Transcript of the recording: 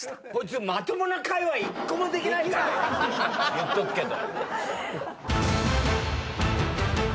言っとくけど。